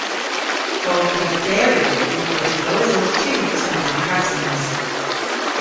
Ow krevderyow yw goslowes orth tus ha marghasans.